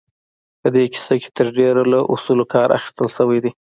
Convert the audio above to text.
په دې کيسه کې تر ډېره له اصولو کار اخيستل شوی دی.